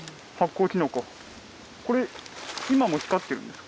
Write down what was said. これ今も光ってるんですか？